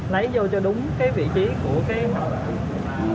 lấy vô cho đúng cái vị trí của cái